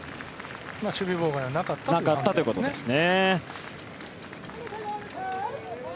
守備妨害はなかったということですね。